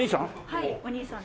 はいお兄さん。